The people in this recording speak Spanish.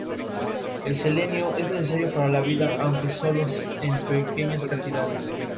Nikisch convirtió a la Filarmónica en una orquesta de fama mundial.